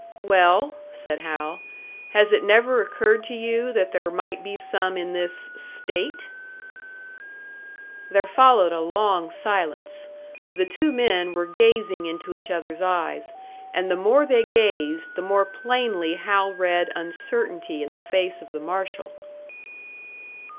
"Well," said Hal, "has it never occurred to you that there might be some in this state?" There followed a long silence. The two men were gazing into each other's eyes; and the more they gazed, the more plainly Hal read uncertainty in the face of the marshal.